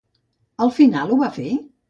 Al final ho va fer?